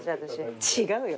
違うよ。